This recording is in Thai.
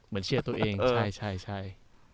เหมือนเชียร์ตัวเองใช่